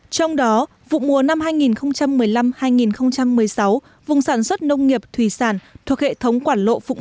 trong đó vụ mùa năm hai nghìn một mươi năm hai nghìn một mươi sáu vùng sản xuất nông nghiệp thủy sản thuộc hệ thống quản lộ phụng